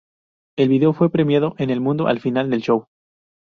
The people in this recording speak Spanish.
El vídeo fue premiado en el mundo al final del show.